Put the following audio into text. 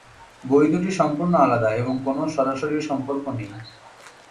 বই দুটি সম্পূর্ণ আলাদা এবং কোন সরাসরি সম্পর্ক নেই।